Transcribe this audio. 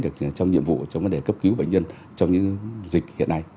đặc biệt là trong nhiệm vụ trong vấn đề cấp cứu bệnh nhân trong những dịch hiện nay